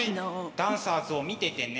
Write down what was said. ダンサーズを見ててね。